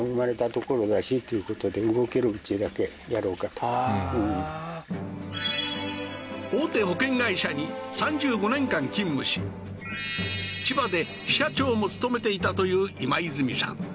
いい写真だへえーへえー大手保険会社に３５年間勤務し千葉で支社長も務めていたという今泉さん